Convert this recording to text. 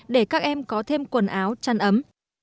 để các em có thêm quần áo chăn ấm